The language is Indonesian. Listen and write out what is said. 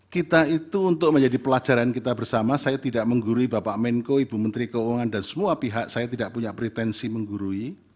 kita itu untuk menjadi pelajaran kita bersama saya tidak menggurui bapak menko ibu menteri keuangan dan semua pihak saya tidak punya pretensi menggurui